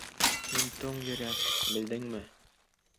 Һин туң йөрәк, белдеңме?